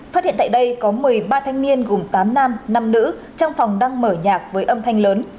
phát hiện tại đây có một mươi ba thanh niên gồm tám nam năm nữ trong phòng đang mở nhạc với âm thanh lớn